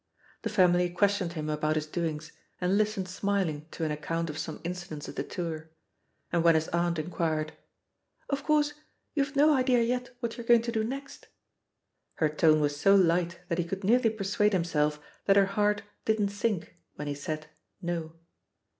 The family ques tioned him about his doings, and listened smiling to an account of some incidents of the tour. And when his aunt inquired, "Of course, you've no idea yet what you're going to do next?" her tone was so light that he could nearly persuade him self that her heart didn't sink when he said "no."